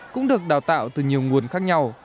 cũng được đào tạo từ nhiều nguồn khác nhau